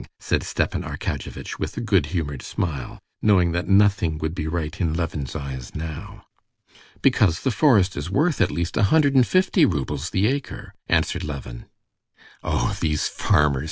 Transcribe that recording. said Stepan Arkadyevitch with a good humored smile, knowing that nothing would be right in Levin's eyes now. "Because the forest is worth at least a hundred and fifty roubles the acre," answered Levin. "Oh, these farmers!"